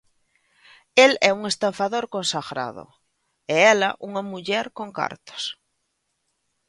El é un estafador consagrado e ela unha muller con cartos.